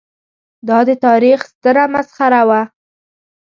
دا د تاریخ ستره مسخره وه.